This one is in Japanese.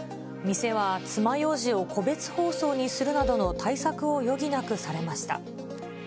店はつまようじを個別包装にするなどの対策を余儀なくされました。